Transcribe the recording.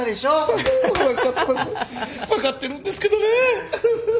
分かってるんですけどね。